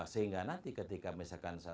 sehingga nanti ketika